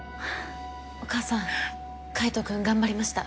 お母さん海斗君頑張りました。